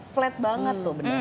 flat banget tuh bener